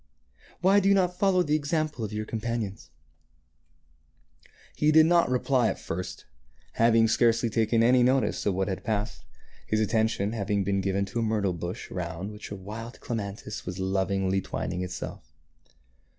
Why do you not follow the example of your com panions ?" He did not reply at first, having scarcely taken any notice of what had passed, his attention having been given to a myrtle bush around which a wild clematis was lovingly twining itself.